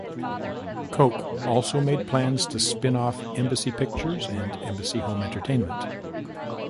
Coke also made plans to spin-off Embassy Pictures and Embassy Home Entertainment.